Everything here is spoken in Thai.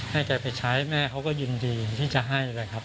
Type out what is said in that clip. แกไปใช้แม่เขาก็ยินดีที่จะให้เลยครับ